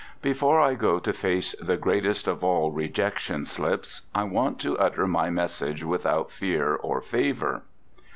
Before I go to face the greatest of all Rejection Slips, I want to utter my message without fear or favour.